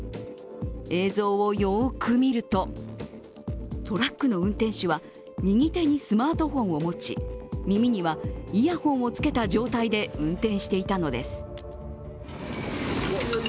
映像をよく見ると、トラックの運転手は右手にスマートフォンを持ち耳にはイヤホンをつけた状態で運転していたのです。